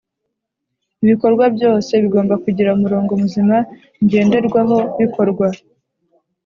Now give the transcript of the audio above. Ibikorwa byose bigomba kugira umurongo muzima ngenderwahobikorwa